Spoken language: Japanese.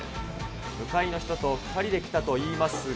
向かいの人と２人で来たといいますが。